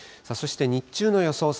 そして日中の予想